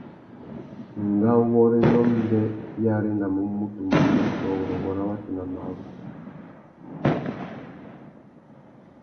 Ngawôrénô mbê i arénamú mutu muká tô urrôngô râ watu nà marru.